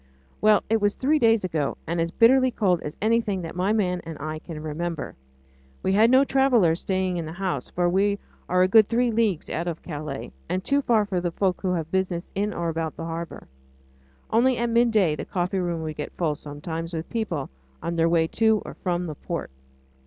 Well! it was three days ago, and as bitterly cold as anything that my man and I can remember. We had no travellers staying in the house, for we are a good three leagues out of Calais, and too far for the folk who have business in or about the harbour. Only at midday the coffee room would get full sometimes with people on their way to or from the port.